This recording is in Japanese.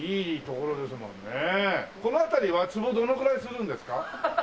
この辺りは坪どのくらいするんですか？